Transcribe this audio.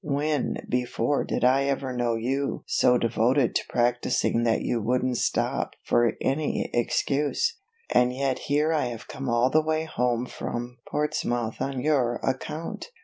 When before did I ever know you so devoted to practicing that you wouldn't stop for any excuse, and yet here I have come all the way home from Portsmouth on your account!"